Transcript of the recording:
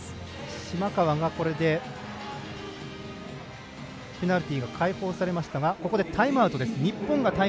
島川がペナルティーがとかれましたがここで日本がタイムアウトです。